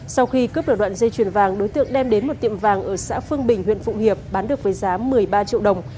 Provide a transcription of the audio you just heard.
sau khi cướp được đoạn dây chuyền vàng đối tượng đem đến một tiệm vàng ở xã phương bình huyện phụng hiệp bán được với giá một mươi ba triệu đồng